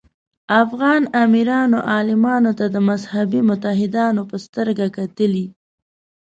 افغان امیرانو عالمانو ته د مذهبي متحدانو په سترګه کتلي.